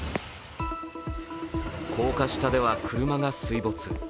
高架下では車が水没。